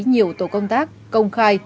nhiều tổ công tác công khai